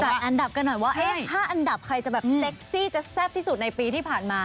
อันดับกันหน่อยว่า๕อันดับใครจะแบบเซ็กซี่จะแซ่บที่สุดในปีที่ผ่านมา